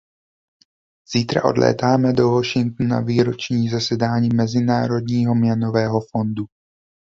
Zítra odlétáme do Washingtonu na výroční zasedání Mezinárodního měnového fondu.